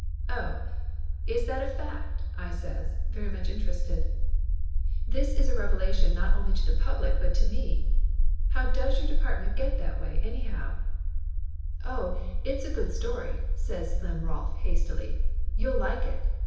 "Oh, is that a fact?" I says, very much interested. "This is a revelation not only to the public but to me. How does your department get that way, anyhow?" Laughter Limited 11 "Oh, it's a good story," says Slim Rolf hastily. "You'll like it.